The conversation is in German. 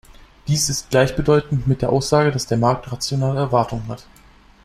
Dies ist gleichbedeutend mit der Aussage, dass der Markt rationale Erwartungen hat.